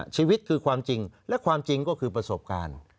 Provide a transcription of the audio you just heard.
ชีวิตคือความจริงและความจริงก็คือประสบการณ์